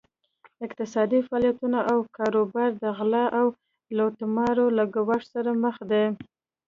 اقتصادي فعالیتونه او کاروبار د غلا او لوټمارۍ له ګواښ سره مخ دي.